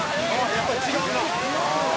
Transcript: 「やっぱり違うな」